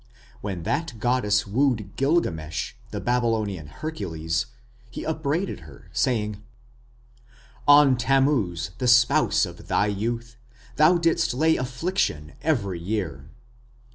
When that goddess wooed Gilgamesh, the Babylonian Hercules, he upbraided her, saying: On Tammuz, the spouse of thy youth, Thou didst lay affliction every year.